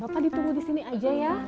bapak ditunggu disini aja ya